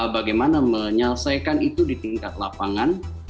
bagaimana menyelesaikan itu di tingkat lapangan